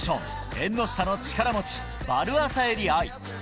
縁の下の力持ち、ヴァルアサエリ愛。